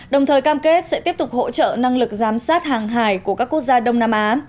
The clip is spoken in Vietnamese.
đồng thời cam kết sẽ tiếp tục hỗ trợ năng lực giám sát hàng hải của các quốc gia đông nam á